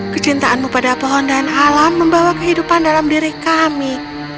kecintaanmu pada pohon dan alam membawa kehidupan dalam diri kami